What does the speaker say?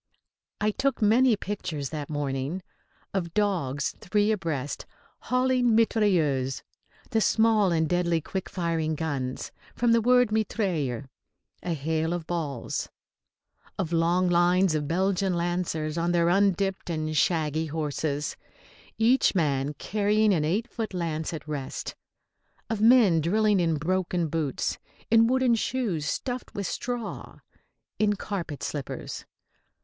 I took many pictures that morning of dogs, three abreast, hauling mitrailleuse, the small and deadly quick firing guns, from the word mitraille, a hail of balls; of long lines of Belgian lancers on their undipped and shaggy horses, each man carrying an eight foot lance at rest; of men drilling in broken boots, in wooden shoes stuffed with straw, in carpet slippers.